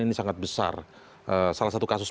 ini sangat besar salah satu kasus